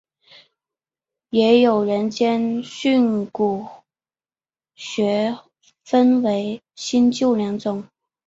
也有人将训诂学分为新旧两种。